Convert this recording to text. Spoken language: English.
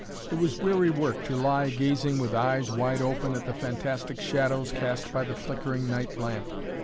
It was weary work to lie gazing with eyes wide open at the fantastic shadows cast by the flickering night lamp.